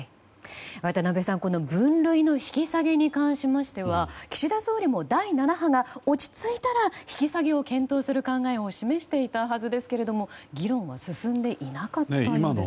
渡辺さん、この分類の引き下げに関しましては岸田総理も第７波が落ち着いたら引き下げを検討する考えを示していたはずですが議論は進んでいなかったようですね。